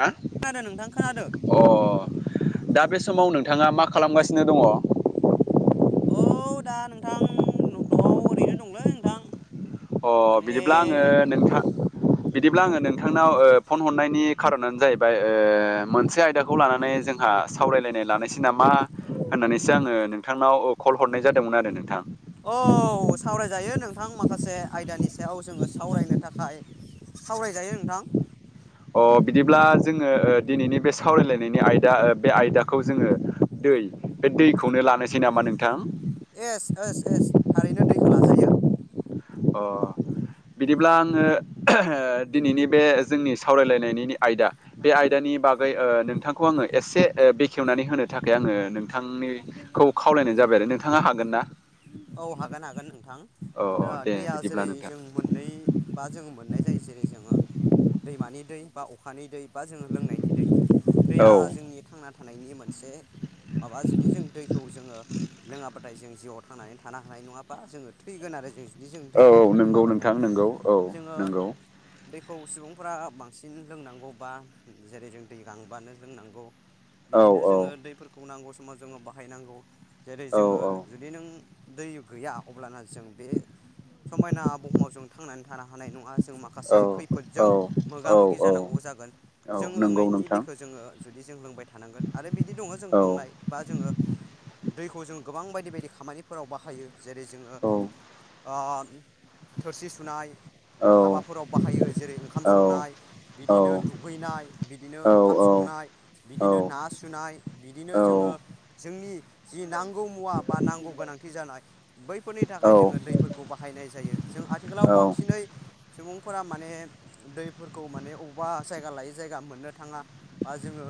हा खोनादों नोंथां खोनादों अ दा बे समाव नोंथाङा मा खालामगासिनो दङ? औ दा नोंथां न'आव ओरैनो दंलै नोंथां। अ माने बिदिब्ला आङो नोंथां बिदिब्ला आङो नों थांनाव फन हरनायनि खारनानो जाहैबाय मोनसे आयदाखौ लानानै जोंहा सावरायलायनाय लानायसै नामा होननानैसो आङो नोंथांनाव कल हरनाय जादोंमोन आरो नोंथां औ सावरायजायो नोंथां माखासे आयदानि सायाव जोङो सावरायनो थाखाय सावरायजायो नोंथां अ बिदिब्ला जोङो दिनैनि बे सावरायलायनायनि आयदा बे आयदाखौ जोङो दै बे दैखौनो लानोसै नामा नोंथां? एस एस एस थारैनो दैखौ लाजायो। ओ बिदिब्ला आङो दिनैनि बे जोंनि सावरायलायनायनि आयदा बे आयदानि नि बागै नोंथांखौ आङो एसे बेखेवनानै होनो थाखाय आङो नोंथांनिखौ खावलायनाय जाबाय आरो नोंथाङा हागोन ना? औ हागोन- हागोन नों -थां अ दा दे दैया बिदिब्ला जेरै नोंथां जों मोननै बा जों मोननाय जायो जेरै जोङो दैमानि दै बा अखानि दै बा जोङो लोंनायनि दै औ दैया औ जोंनि थांना थानायनि मोन -से माबा जुदि जों दैखौ जोङो लोङाबाथाय जों जिउआव थांनानै थानो हानाय नङाबा जोङो थैगोन आरो जों जुदि जों औ दैखौ नंगौ मोनलोङाबाथाय नोंथां नंगौ औ जोङो नंगौ। दैखौ सुबुंफोरा बांसिन लोंनांगौ बा जेरै जों दै गांबानो लोंनांगौ औ बिदिनो औ जोङो दैफोरखौ नांगौ समाव जोङो बाहायनांगौ जेरै औ जोङो जुदि नों दै गैया अब्लाना जों बे समायना बुहुमाव जों थांनानै थानो हानाय नङा जों माखासे औ खैफोदजों मोगा औ मोगि औ जानांगौ जागोन औ जों नंगौ लोंनायनि नोंथां जोङो जुदि जों लोंबाय थानांगोन आरो बिदि दङ जों औ लोंनाय बा जोङो दैखौ जों गोबां बायदि बायदि खामानिफोराव बाहायो जेरै जोङो औ ओ थोरसि सुनाय औ हाबाफोराव बाहायो जेरै ओंखाम औ संनाय औ बिदिनो दुगैनाय बिदिनो औ ओंखाम संनाय बिदिनो ना सुनाय बिदिनो जोङो जोंनि जि नांगौ मुवा बा नांगौ गोनां थि जानाय बैफोरनि थाखाय जोङो दैफोरखौ बाहायनाय जायो जों आथिखालाव औ बांसिनै ज फोर माने दैफोरखौ माने अबेबा जायगा लायै जायगा मोननो थाङा बा जोङो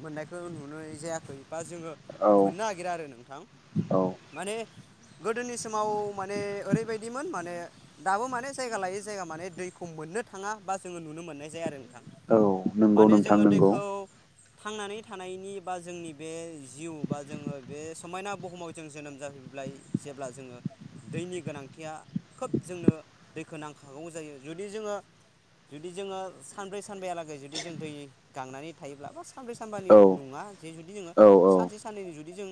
मोननायखौ नुनाय जायाखै बा जोङो औ मोननो नागिरा आरो नोंथां औ माने गोदोनि समाव माने ओरैबायदिमोन माने दाबो माने जायगा लायै जायगा माने दैखौ मोननो थाङा बा जोङो नुनो मोननाय जाया आरो नोंथां औ नंगौ माने नोंथां जोङो नंगौ दैखौ थांनानै थानायनि बा जोंनि बे जिउ बा जोङो बे समायना बुहुमाव जों जोनोम जाफै जेब्ला जोङो दैनि गोनांथिया खोब जोंनो दैखौ नांखागौ जायो ज जुदि जोङो जुदि जोङो सानब्रै सानबायालागै जुदि जों दै गांनानै थायोब्ला बा सानब्रै सानबानि औ नङा जे जुदि जोङो औ औ सानसे साननैनि जुदि जों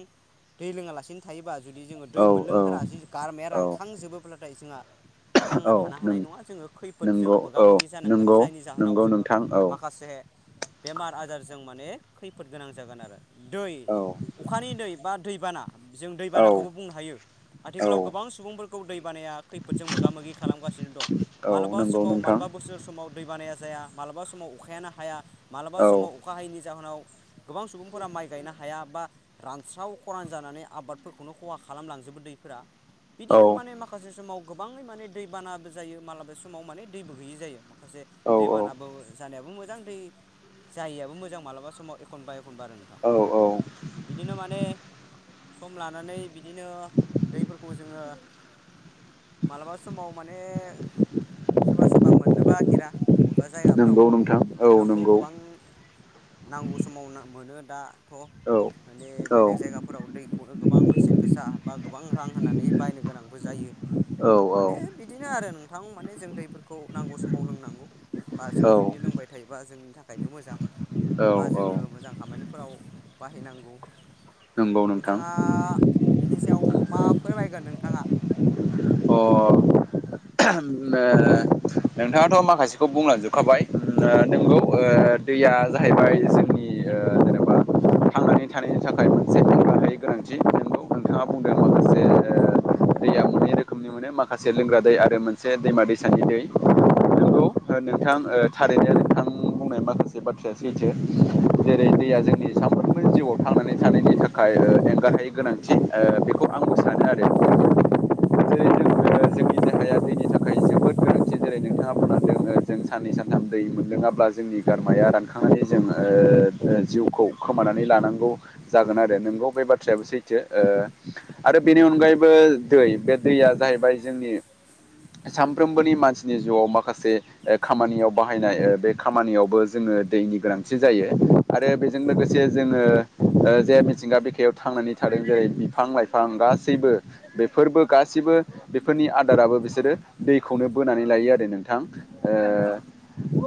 दै लोङालासिनो थायोबा जुदि जोङो दै औ मोनलोंथारा जि गारमाया औ रानखांजोबोब्लाथाय जोंहा थांना औ थानो हानाय नों नङा जोङो खैफोदजों नंगौ मोगा औ मोगि जानांगोन नंगौ जायनि जाहोनाव नंगौ जोङो नोंथां औ माखासे बेमार आजारजों माने खैफोद गोनां जागोन आरो दै औ अखानि दै बा दैबाना जों औ दैबानाखौबो बुंनो हायो औ आथिखालाव गोबां सुबुंफोरखौ दै बानाया खैफोदजों मोगा मोगि खालामगासिनो दं औ मालाबा नंगौ समाव नोंथां मालाबा बोसोर समाव दै बानाया जाया माबलाबा समाव अखायानो हाया माबलाबा औ समाव अखा हायैनि जाहोनाव गोबां सुबुंफोरा माइ गायनो हाया बा रानस्राव खरान जानानै आबादफोरखौ बेखौनो खहा खालामलांजोबो दैफोरा औ बिदिनो माने माखासे समाव गोबाङै माने दैबानाबो जायो मालाबा समाव माने दैबो गैयि जायो माखासे औ दैबानाबो जानायाबो मोजां दै जाययाबो मोजां मालाबा समाव एखनबा एखनबा आरो नोंथां औ बिदिनो माने सम लानानै बिदिनो दैफोरखौ जोङो मालाबा समाव माने सोरबा सोरबा मोननोबो नगिरा एा जायगाफ्राव नंगौ नोंथां औ जोंनावथ' नंगौ गोबां नांगौ समाव मोनो दाथ' औ माने औ बेलेग जायगाफोराव दै खौनो गोबां बेसेन गोसा बा गोबां रां होनानै बायनो गोनांबो जायो माने औ बिदिनो आरो नोंथां माने जों दैफोरखौ नांगौ समाव लोंनांगौ बा जों जुदि लोंबाय थायोबा जोंनि थाखायनो मोजां औ बा औ जोङो मोजां खामानिफोराव बाहायनांगौ नोंगौ नोंथां। बेनि सायाव मा फोरमायगोन नोंथाङा अ नोंथाङाथ माखासेखौ बुंलजोबखाबाय नंगौ दैया जाहैबाय जोंनि जेनेबा थांनानै थानायनि थाखाय मोनसे थंगा हायै गोनांथि दंबावो नोंथाङा बुंदों माखासे दैया मोनै रोखोमनि मोनो माखासे लोंग्रा दै आरो मोनसे दैमा दैसानि दै [inaudible] नोंगौ नोंथां थारैनो नोंथां माखासे बाथ्राया सैथो जेरै दैया जोंनि सामफ्रोमबो जिउआव थांनानै थानायनि थाखाय एंगाहायै गोनांथि बेखौ आंबो सानो आरो जेरै जों [inaudible] जोंनि देहाया दैनि थाखाय जोबोद गोनांथि जेरै नोंथाङा बुंना ज जों साननै सानथाम दै मोनलोङाब्ला जोंनि गारमाया रानखांनानै जों जिउखौ खोमानानै लानांगौ जागोन आरो नोंगौ बे बाथ्रायाबो सैथो आरो बेनि अनगायैबो दै बे दैया जाहैबाय जोंनि सानफ्रोमबोनि मानसि नि जिउआव माखासे खामानियाव बाहायनाय बे खामानियावबो जोङो दैनि गोनांथि जायो आरो बेजों लोगोसे जोङो जे मिथिंगा बिखायाव थांनानै थादों जेरै बिफां लाइफां गास बेफोरबो गसिबो बेफोरनि आदाराबो बिसोरो दैखौनो ब होननानै लायो आरो नोंथां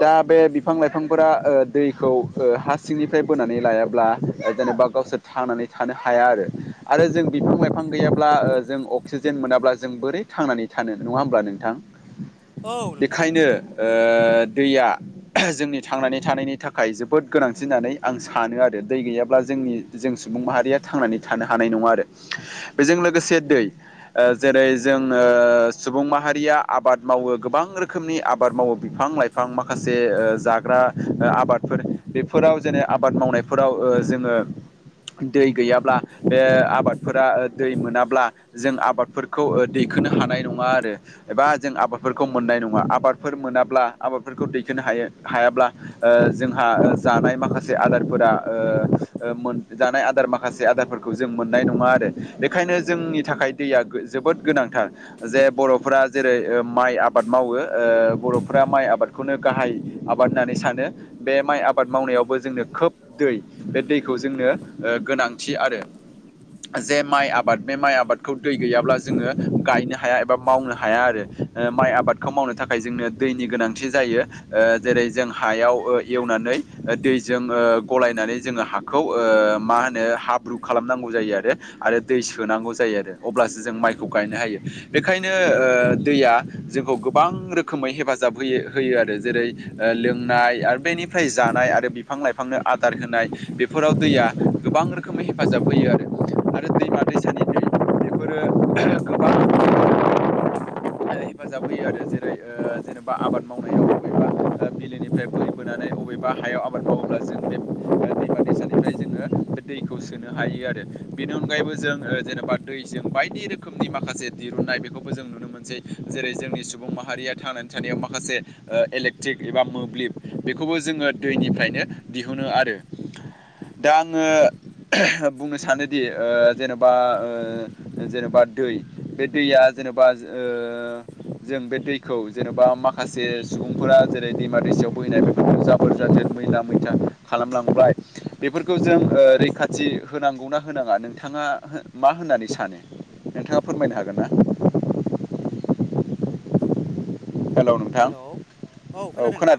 दा बे बिफां लाइफांफोरा दैखौ हा सिंनिफ्राय बोनानै लायाब्ला जेनेबा गावसोर थांनानै थानो हाया आरो आरो जों बिफां लाइफां गैयाब्ला जों अक्सिजेन मोनाब्ला जों बोरै थांनानै थानो नङा होमब्ला नोंथां औ नोंथां बेखायनो दैया जोंनि थांनानै थानायनि थाखाय जोबोद गोनांसिन होननानै आं सानो आरो दै गैाब्ला जों सुबुं माहारिया थांनानै थानो हानाय ना आरो बेजों लोगोसे दै जेरै जोंङनो सुबुं माहारिया आबाद मावो गोबां रोखोमनि आबाद मावो बिफां लाइफां माखासे जाग्रा आबादफोर बेफोराव जेने आबाद मावनायफोराव जोंङो दै गैयाब्ला बे आबादफोरा दै मोनाब्ला जों आबादफोरखौ दै खो हानाय नङा आरो एबा जों आबाद फोरखौ मोननाय नङा आबादफोर मोनाब्ला आबादफोरखौ दैखोनो हायो हायाब्ला जोंहा जानाय माखासे आदारफोरा मोन जानाय आदार माखासे आदारफोरखौ जों मोननाय नङा बेखायनो जोंनि थाखाय दैया जोबोद गोनांथार जे बर'फोरा जेरै माइ आबाद मावो बर'फोरा माइ आबादखौनो गाहाय आबाद होननानै सानो बे माइ आबाद आबाद मावनायावबो जोंनो खोब दै बे दैखौ जोंनो गोनांथि आरो जे माइ आबाद बे माइ आबादखौ दै गैयाब्ला जोङो गायनो हाया एबा मावनो हाया आरो माइ आबादखौ मावनो थाखाय जोंनो दैनि गोनांथि जायो जेरै जों हायाव एवनानै दैजों गलायनानै जोंङो हाखौ मा होनो हाब्रु खालामनांगौ जायो आरो आरो दै सोनांगौ जायो आरो अब्लासो जों माइखौ गायनो हायो बेखायनो दैया जोंखौ गोबां रोखोमै हेफाजाब होयो होयो आरो जेरै लोंनाय आरो बेनिफ्राय जानाय आरो बिफां लाइफांनो आदार होनाय बेफोराव दैया गोबां रोखोमै हेफाजाब होयो आरो आरो दैमा दैसानिफ्राय बेफोरो गोबां हेफाजाब होयो आरो जेरै जेनेबा आबाद मावनायाव बबेबा बिलोनिफ्राय बोहै बोनानै बबेबा हायाव आबाद मावोब्ला जों बे दैमा दैसानिफ्राय जोंङो बे दैखौ सोनो हायो आरो बेनि अनगायैबो जों जेनेबा दैजों बायदि रोखोमनि माखासे दिरुननाय बेखौबो जों नुनो मोनो जेरै जोंनि सुबुं माहारिया थांनानै थानायाव माखासे इलेक्ट्रिक एबा मोब्लिब बेखौ खौबो जोङो दैनिफ्रायनो दिहुनो आरो दा आंङो बुंनो सानोदि जेनेबा जेनेबा दै बे दैया जेनेबा जों बे दैखौ जेनेबा माखासे सुबुंफोरा जेरै दैमा दैसायाव फोैनाय बेफोरखौ जाबोर जा [unintelligible] मैला मैथा खालामलांबाय बेफोरखौ जों ओ रैखाथि होनांगौना होनाङा नों थाङा मा होननानै सानो नोंथाङा फोरमायनो हागोन ना? [inaudible] हेलौ औ खोनादों नोंथां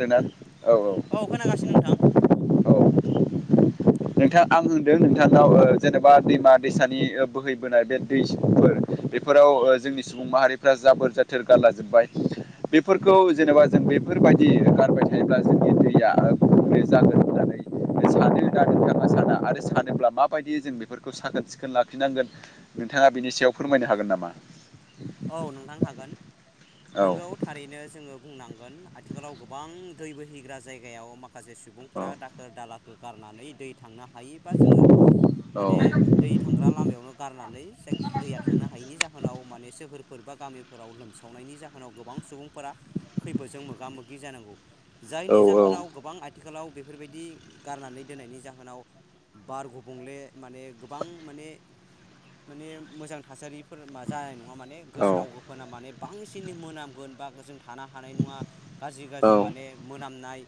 औ खोनागासिनो नोंथां [inaudible] औ नोंथां आं होनदों नोंथांनाव जेनेबा दैमा दैसानि बोहैबोनाय बे दैफोर बेफोराव जोंनि सुबुं माहारिफ्रा जाबोर जाथोर गारलाजोबबाय। बेफोरखौ जेनेबा जों बेफोरबायदि गारबाय थायोब्ला जोंनि दैया गुबुंले जागोन होननानै सानो ना नोंथाङा साना आरो सानोब्ला माबायदि जों बेफोरखौ साखोन सिखोन लाखिनांगोन नोंथां नोंथाङा बिनि सायाव फोरमायनो हागोन नामा? औ नोंथां हागोन औ नोंगौ थारैनो जोङो बुंनांगोन आथिखालाव गोबां दै बोहैग्रा जायगायाव माखासे सुबुंफोरा औ दाखोर दालाखौ गारनानै दै थांनो हायो बा जोङो औ माने दै थांग्रा लामायावनो गारनानै जाय दैया थांनो हायिनि जाहोनाव माने सो फोरफोर बा गामिफोराव लोमसावनायनि जाहोनाव गोबां सुबुंफोरा खैफोदजों मोगा मोगि जानांगौ। जायनि जाहोनाव गोबां आथिखालाव बेफोरबायदि गारनानै दोननायनि जाहोनाव बार गुबुंले माने गोबां माने माने मोजां थासारि फोर मा जानाय नङा माने औ गोसाव गोफोना माने बांसिन मोनामगोन बा जों थानो हानाय नङा गाज्रि गाज्रि माने मोनामनाय।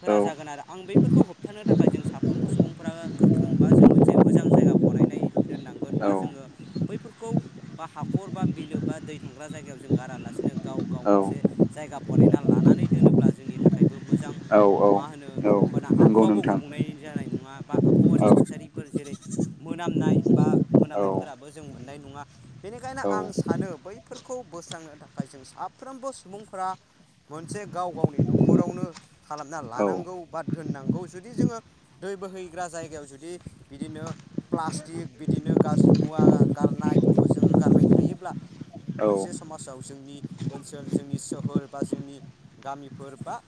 फोरा जागोन आरो आं बैफोरखौ होबथानो थाखाय जों साफ्रोमबो सुबुंफोरा गोख्रों बा जों मोनसे मोजां जायगा। बनायनाय दोननांगोन बा जोङो बैफोरखौ बा हाखर बा बिलो बा दै थांग्रा जों गारालासिनो गाव गाव मोनसे जायगा बनायना लानानै दोनोब्ला जोंनि थाखाय मोजां औ औ मा होनो औ होमबाना नंगौ आबहावाबो नोंथां गुबुंनाय जानाय नङा बा आबहावानि औ थासारिफोर जेरै मोनामनाय बा औ मोनामनायफोराबो जों मोननाय नङा। बेनिखायनो आं सानो बैफोरखौ खौ बोस्रांनो थाखाय जों साफ्रोमबो सुबुंफोरा मोनसे गाव गावनि न'खरावनो खालामना लानांगौ बा दोननांगौ जुदि जोङो दै बोहैग्रा जायगायाव जुदि बिदिनो प्लास्टिक बिदिनो ग्राजि मुवा गारनायफोरखौ जोङो गारबाय थायोब्ला मोनसे समाव जोंनि ओनसोल जोंनि सोहोर बा जोंनि गामिफोर बा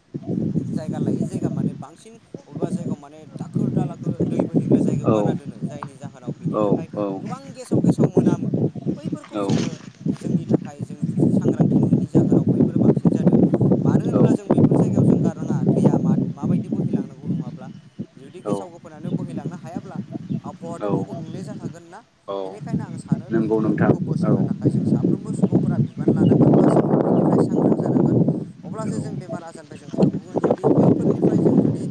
जायगा लायो जायगा माने बांसिन अबेबा जायगायाव माने दाखोर दालाखो दै बोहैग्रा जायगायाव गारना दोनो। जायनि जाहोनाव बिनि थाखाय गोबां औ-औ-औ-औ-औ-औ-औ-औ-औ-औ-औ गेसाव गेसाव मोनामो। बैफोरखौ जोङो जोंनि थाखाय जों सांग्रांथि नुयैनि जाहोनाव बैफोरो बांसिन जादों म मानो होनोब्ला जों बेफोर जायगायाव जों गारनाङा दैया माबायदि बोहैलांनांगौ नङाब्ला जुदि गेसाव गोफाना नो बोहैलांनो हायाब्ला आबहावाथ' गुबुंले जाखागोन ना बेनिखायनो आं सानोदि नंगौ बै नोंथां खौ औ बोस्रांनो थाखाय जों साफ्रोमबो सुबुंफोरा बिबान लानांगोन बा जों बेनिफ्राय सांग्रां जानांगोन अब्ला अब्लासो जों बेमार आजारनिफ्राय जों खारग'गोन जुदि बैफोरनिफ्राय जों जुदि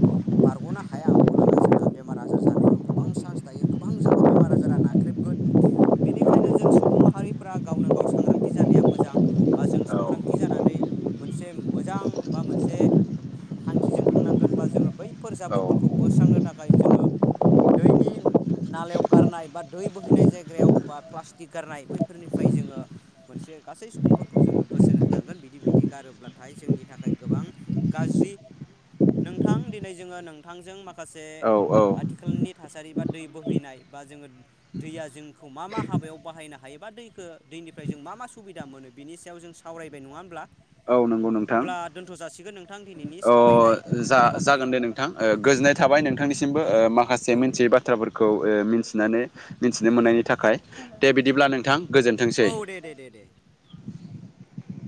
बारग'नो हाया अब्लाना जोंना बेमार आजार जानोबो गोबां चान्स थायो गोबां जोंखौ बेमार आजारा नाख्रेबगोन बेनिखायनो जों सुबुं माहारिफ्रा गावनो गाव सांग्रांथि जानाया मोजां बा जों सांग्रांथि जानानै मोनसे मोजां बा मोनसे थांखिजों थांनांगोन बा जोङो बैफोर जाबोरदफोरखौ बोस्रांनो थाखाय जोङो दैनि नालायाव गारनाय बा दै बोहैनाय जायगायाव बा प्लास्टिक गारनाय बैफोरनिफ्राय जोङो मोनसे गासै सुबुंफोरखौ जोङो बोसोन होनांगोन बिदि बिदि गारोब्ला नाथाय जोंनि थाखाय गोबां गाज्रि नोंथां दिनै जोङो नोंथांजों माखासे औ-औ-औ-औ आथिखालनि थासारि बा दै बोहैनाय बा जोङो दैया जोंखौ मा मा हाबायाव बाहायनो हायोबा दैखौ दैनिफ्राय जों मा मा सुबिदा मोनो बिनि सायाव जों सावरायबाय नङा होमब्ला नंगौ नोंथां अब्ला दोनथ' जासिगोन नोंथां दिनैनि अ सावरायनाय जा-जागोन हाबाफारिखौ दे नोंथां गोजोननाय थाबाय नोंथांनिसिम ओ माखासे औ मिथियै बाथ्राफोरखौ ओ मिथि मिथिनानै मिथिनो मोननायनि थाखाय दे बिदिब्ला नोंथां औ गोजोनथोंसै दे दे दे दे